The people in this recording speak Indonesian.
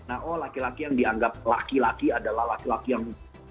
nah oh laki laki yang dianggap laki laki adalah laki laki yang